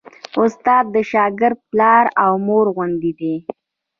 استاد د شاګرد پلار او مور غوندې دی.